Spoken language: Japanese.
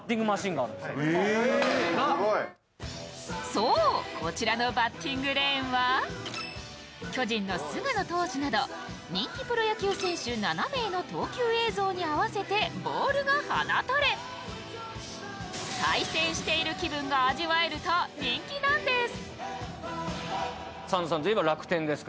そう、こちらのバッティングレーンは、巨人の菅野投手など人気プロ野球選手７名の投球映像に合わせてボールが放たれ、対戦している気分が味わえると人気なんです。